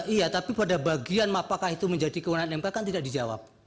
iya tapi pada bagian apakah itu menjadi kewenangan mk kan tidak dijawab